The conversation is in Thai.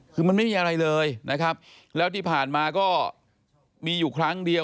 คือมันไม่มีอะไรเลยนะครับแล้วที่ผ่านมาก็มีอยู่ครั้งเดียว